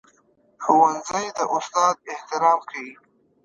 ښوونځی د استاد احترام ښيي